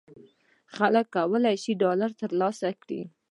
خلکو کولای شول ډالر تر لاسه کړي.